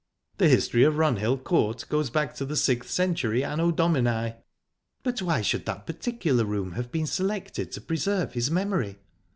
The history of Runhill Court goes back to the sixth century Anno Domini." "But why should that particular room have been selected to preserve his memory?"